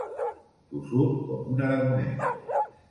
Tossut com un aragonès.